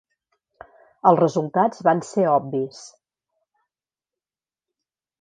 Els resultats van ser obvis.